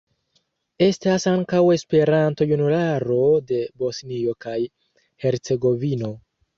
Estas ankaŭ Esperanto-Junularo de Bosnio kaj Hercegovino.